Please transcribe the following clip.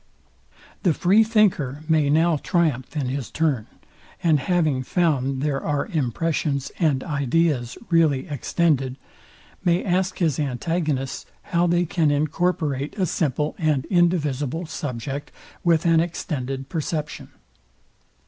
The free thinker may now triumph in his turn; and having found there are impressions and ideas really extended, may ask his antagonists, how they can incorporate a simple and indivisible subject with an extended perception?